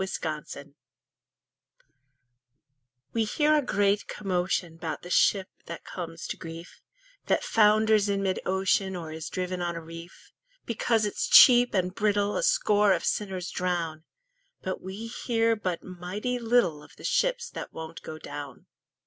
0 Autoplay We hear a great commotion 'Bout the ship that comes to grief, That founders in mid ocean, Or is driven on a reef; Because it's cheap and brittle A score of sinners drown. But we hear but mighty little Of the ships that won't go down.